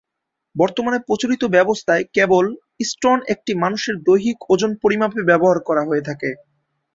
বর্তমানে প্রচলিত ব্যবস্থায় কেবল "স্টোন" এককটি মানুষের দৈহিক ওজন পরিমাপে ব্যবহার করা হয়ে থাকে।